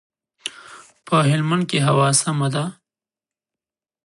په هلمند کښي هوا سمه ده.